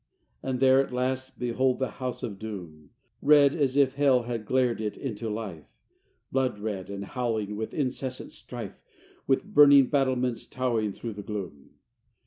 XVI And there at last, behold, the House of Doom, Red, as if Hell had glared it into life, Blood red, and howling with incessant strife, With burning battlements, towered through the gloom.